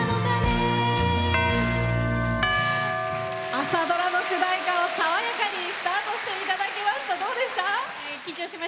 朝ドラの主題歌を爽やかにスタートしていただきました。